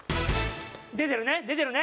出てるね出てるね。